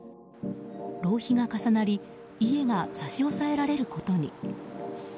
浪費が重なり家が差し押さえられることに。